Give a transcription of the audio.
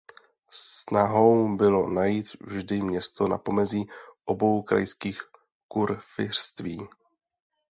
Snahou bylo najít vždy město na pomezí obou krajských kurfiřtství.